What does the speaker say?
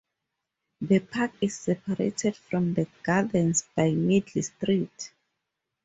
The park is separated from the gardens by Middle Street.